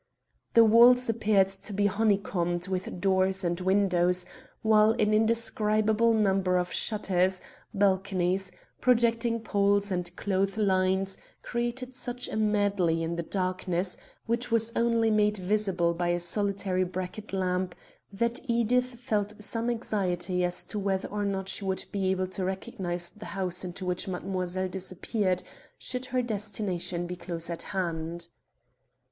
The walls appeared to be honeycombed with doors and windows, while an indescribable number of shutters, balconies, projecting poles and clothes lines created such a medley in the darkness, which was only made visible by a solitary bracket lamp, that Edith felt some anxiety as to whether or not she would be able to recognize the house into which mademoiselle disappeared, should her destination be close at hand.